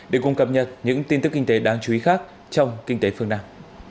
để cùng cập nhật những tin tức kinh tế đáng chú ý khác trong kinh tế phương nam